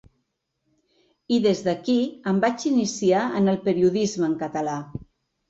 I des d’aquí em vaig iniciar en el periodisme en català.